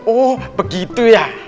oh begitu ya